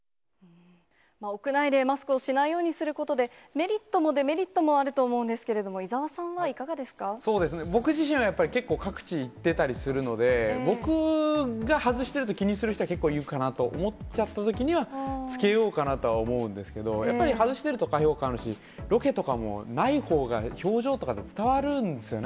屋内でマスクをしないようにすることで、メリットもデメリットもあると思うんですけれども、そうですね、僕自身はやっぱり結構各地行ってたりするので、僕が外してると、気にする人は結構いるかなと思っちゃったときには、着けようかなとは思うんですけど、やっぱり外してると、開放感あるし、ロケとかも、ないほうが表情とか伝わるんですよね。